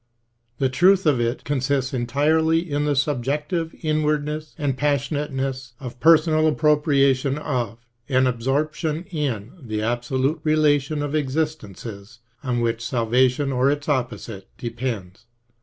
The truth of it con sists entirely in the subjective inwardness and passionateness of per sonal appropriation of and absorption in the absolute relation of existences on which salvation or its opposite depends.